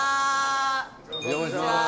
お邪魔します。